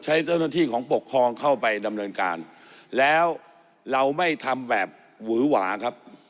ใช้เจ้าหน้าที่ของปกครองเข้าไปดำเนินการแล้วเราไม่ทำแบบหวือหวาครับ